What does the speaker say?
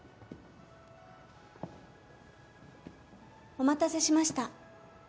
・お待たせしました。